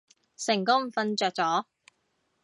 成功瞓着咗